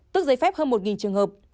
tức giấy phép hơn một trường hợp